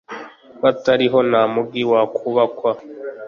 Batariho, nta mugi wakubakwa,